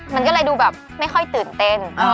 มันก็เลยดูแบบไม่ค่อยตื่นเต้น